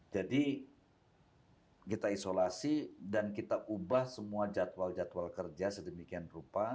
jadi kita isolasi dan kita ubah semua jadwal jadwal kerja sedemikian rupa